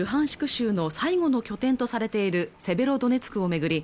州の最後の拠点とされているセベロドネツクを巡り